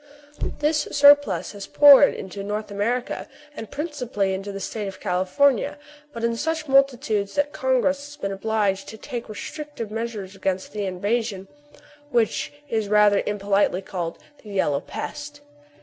This surplus has poured into North America, and principally into the State of California, but in such multitudes that Congress has been obliged to take restrictive measures against the invasion, which is rather impolitely called " the yellow pest.